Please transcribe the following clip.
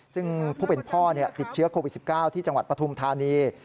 ซึ่งผู้เป็นพ่อติดเชื้อโควิด๑๙ที่จังหวัดปฐุมธานี